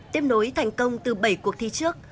tiếp nối thành công từ bảy cuộc thi trước